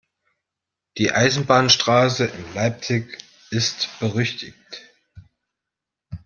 Die Eisenbahnstraße in Leipzig ist berüchtigt.